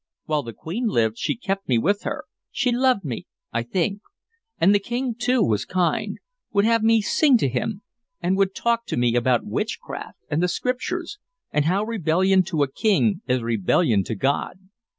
While the Queen lived she kept me with her, she loved me, I think; and the King too was kind, would have me sing to him, and would talk to me about witchcraft and the Scriptures, and how rebellion to a king is rebellion to God.